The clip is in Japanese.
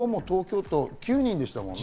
昨日も東京都９人でしたもんね。